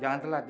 jangan telat ya